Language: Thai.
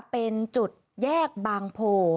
เป็นจุดแยกบางโพ